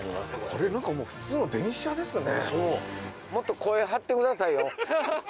これ何かもう普通の電車ですね。